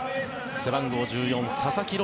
背番号１４、佐々木朗